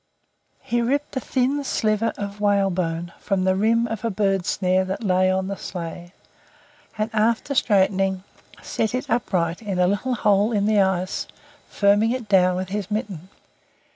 He ripped a thin sliver of whalebone from the rim of a bird snare that lay on the sleigh, and, after straightening, set it upright in a little hole in the ice, firming it down with his mitten.